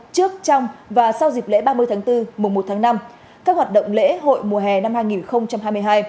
trước trong và sau dịp lễ ba mươi tháng bốn mùa một tháng năm các hoạt động lễ hội mùa hè năm hai nghìn hai mươi hai